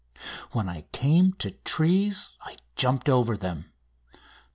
When I came to trees I jumped over them.